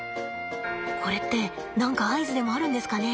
これって何か合図でもあるんですかね？